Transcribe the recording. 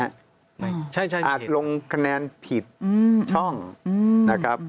อาจลงคะแนนผิดช่องนะครับ